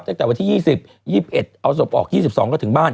ตั้งแต่วันที่๒๐๒๑เอาศพออก๒๒ก็ถึงบ้าน